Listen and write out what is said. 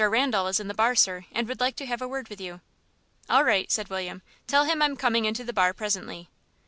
Randal is in the bar, sir, and would like to have a word with you." "All right," said William. "Tell him I'm coming into the bar presently."